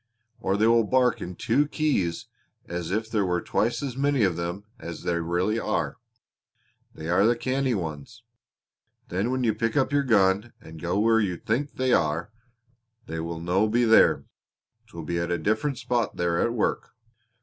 Or they will bark in two keys as if there were twice as many of them as there really are. They are the canny ones! Then when you pick up your gun and go where you think they are, they will no be there; 'twill be at a different spot they are at work."